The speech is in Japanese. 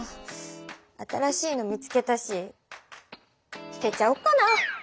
新しいの見つけたし捨てちゃおっかな？